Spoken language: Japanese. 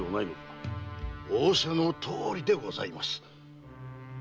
〔仰せのとおりでございます〕